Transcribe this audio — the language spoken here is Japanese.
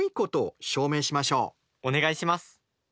お願いします。